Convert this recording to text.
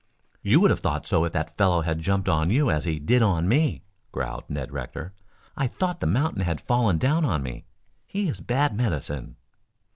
"You would have thought so if that fellow had jumped on you as he did on me," growled Ned Rector. "I thought the mountain had fallen down on me. He is bad medicine."